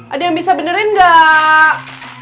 ada yang bisa benerin gak